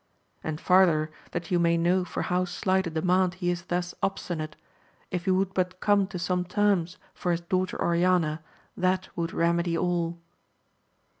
And farther, that you may know for how slight a demand he is thus obstinate, if he would but come to some terms for his daughter Oriana, that would remedy all.